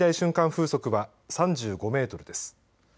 風速は３５メートルです。